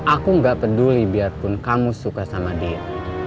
aku nggak peduli biarpun kamu suka sama dia